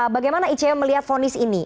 bagaimana icw melihat fonis ini